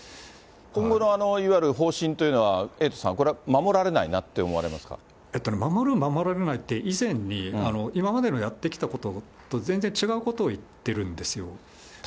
今後のいわゆる方針というのは、エイトさん、これは守られな守る、守られないって以前に、今までのやってきたことと全然違うことを言ってるんですよ。